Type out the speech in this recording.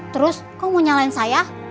terus kau mau nyalain saya